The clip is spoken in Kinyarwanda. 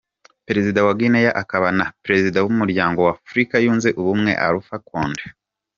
Perezida wa Guinea akaba na Perezida w’Umuryango wa Afurika Yunze Ubumwe, Alpha Conde.